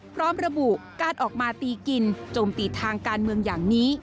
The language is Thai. พร้อมระบุการออกมาตีกินโจมตีทางการเมืองอย่างนี้